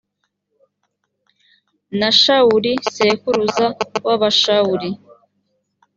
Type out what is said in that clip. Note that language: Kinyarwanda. na shawuli sekuruza w’abashawuli.